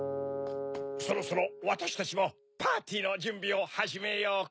そろそろわたしたちもパーティーのじゅんびをはじめようか。